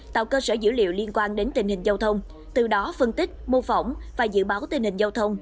tạo cơ sở dữ liệu liên quan đến tình hình giao thông từ đó phân tích mô phỏng và dự báo tình hình giao thông